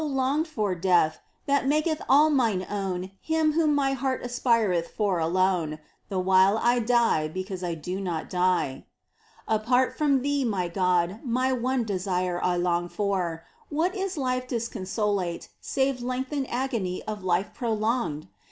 longed for Death, that maketh all mine own Him Whom my heart aspireth for alone, The while I die because I do not die ! Apart from Thee, my God, m}^ one Desire 1 long for, what is life disconsolate Save lengthened agony of hfe prolonged